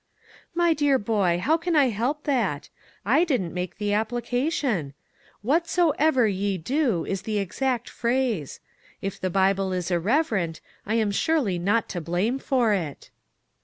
"My dear boy, how can I help that? I didn't make the application. ' Whatsoever ye do ' is the exact phrase. If the Bible is irreverent, I am surely not to blame for it."